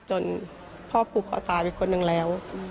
จนพ่อผูกคอตายไปคนหนึ่งแล้ว